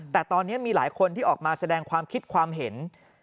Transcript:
แต่ตอนนี้มีหลายคนที่ออกมาแสดงความคิดความเห็น